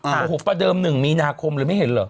โอ้โหประเดิม๑มีนาคมเลยไม่เห็นเหรอ